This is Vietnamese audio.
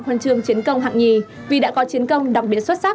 huân chương chiến công hạng nhì vì đã có chiến công đặc biệt xuất sắc